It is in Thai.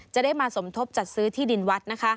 จะได้มาสมทบจัดซื้อที่ดินวัดนะคะ